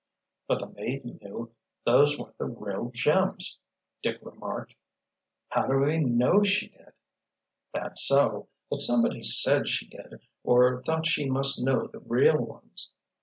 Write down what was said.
"But the maid knew those weren't the real gems!" Dick remarked. "How do we know she did?" "That's so. But somebody said she did, or thought she must know the real ones."